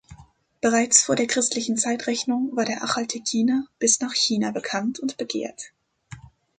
Bereits vor der christlichen Zeitrechnung war der Achal-Tekkiner bis nach China bekannt und begehrt.